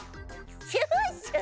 シュッシュ